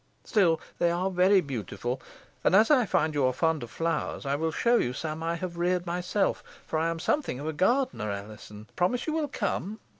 Still, they are very beautiful; and, as I find you are fond of flowers, I will show you some I have reared myself, for I am something of a gardener, Alizon. Promise you will come."